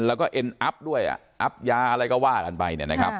แล้วก็เอ็นัปด้วยอัปยาอะไรก็ว่ากันไป